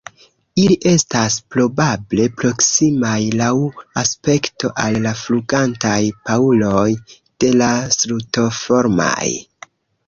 Ili estas probable proksimaj laŭ aspekto al la flugantaj prauloj de la Strutoformaj.